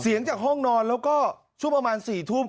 จากห้องนอนแล้วก็ช่วงประมาณ๔ทุ่ม